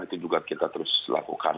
itu juga kita terus lakukan